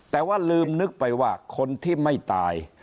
แต่ว่าลืมนึกไปว่า